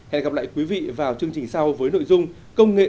hẹn gặp lại quý vị vào chương trình sau với nội dung công nghệ